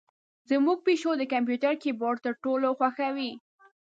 زمونږ پیشو د کمپیوتر کیبورډ تر ټولو خوښوي.